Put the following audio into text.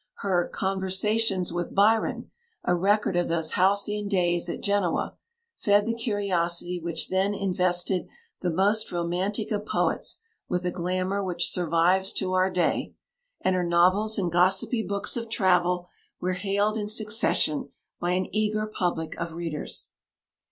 Her "Conversations with Byron," a record of those halcyon days at Genoa, fed the curiosity which then invested the most romantic of poets with a glamour which survives to our day; and her novels and gossipy books of travel were hailed in succession by an eager public of readers.